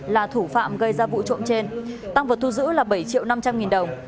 là thủ phạm gây ra vụ trộm trên tăng vật thu giữ là bảy triệu năm trăm linh nghìn đồng